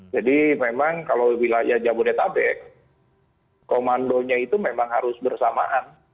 jadi memang kalau wilayah jabodetabek komandonya itu memang harus bersamaan